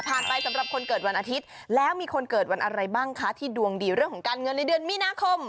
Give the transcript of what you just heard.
ไปสำหรับคนเกิดวันอาทิตย์แล้วมีคนเกิดวันอะไรบ้างคะที่ดวงดีเรื่องของการเงินในเดือนมีนาคม